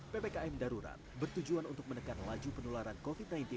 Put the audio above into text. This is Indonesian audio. ppkm darurat bertujuan untuk menekan laju penularan covid sembilan belas